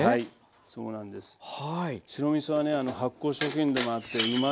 そうなんです。